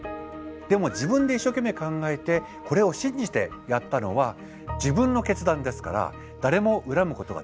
でも自分で一生懸命考えてこれを信じてやったのは自分の決断ですから誰も恨むことができません。